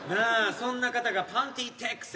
そんな方がパンティーテックス！